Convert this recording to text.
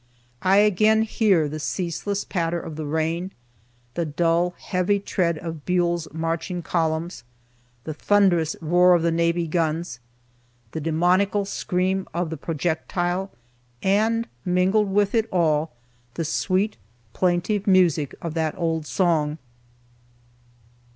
I again hear the ceaseless patter of the rain, the dull, heavy tread of Buell's marching columns, the thunderous roar of the navy guns, the demoniacal scream of the projectile, and mingled with it all is the sweet, plaintive music of that old song.